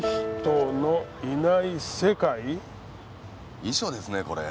遺書ですねこれ。